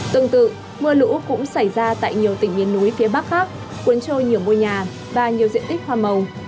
tương tự mưa lũ cũng xảy ra tại nhiều tỉnh miền núi phía bắc khác cuốn trôi nhiều ngôi nhà và nhiều diện tích hoa màu